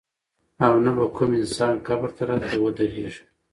او نه به کوم انسان قبر ته راته ودرېږي.